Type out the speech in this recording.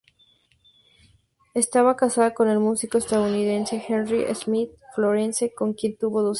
Estaba casada con el músico estadounidense Henry Smyth Florence, con quien tuvo dos hijos.